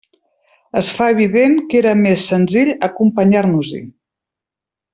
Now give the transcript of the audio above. Es fa evident que era més senzill acompanyar-nos-hi.